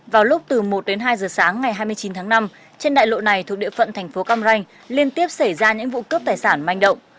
vào lúc từ một đến hai giờ sáng ngày hai mươi chín tháng năm trên đại lộ này thuộc địa phận thành phố cam ranh liên tiếp xảy ra những vụ cướp tài sản manh động